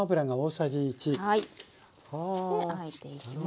あえていきます。